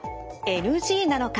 ＮＧなのか？